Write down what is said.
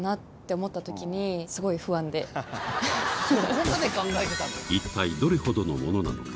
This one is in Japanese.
そこまで考えてたの？